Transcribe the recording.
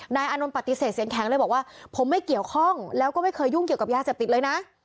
อานนท์ปฏิเสธเสียงแข็งเลยบอกว่าผมไม่เกี่ยวข้องแล้วก็ไม่เคยยุ่งเกี่ยวกับยาเสพติดเลยนะ